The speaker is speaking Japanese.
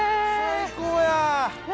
最高や。ね。